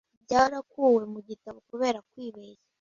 ryarakuwe mu gitabo kubera kwibeshya